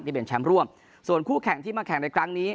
ที่เป็นแชมป์ร่วมส่วนคู่แข่งที่มาแข่งในครั้งนี้